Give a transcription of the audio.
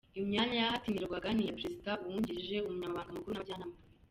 Imyanya yahatanirwaga ni iya perezida, umwungirije, umunyamabanga mukuru n’abajyanama babiri.